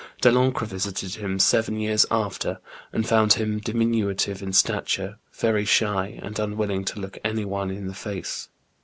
Delancre visited him seven years after, and found him diminutive in stature, very shy, and unwilling to look any one in the face.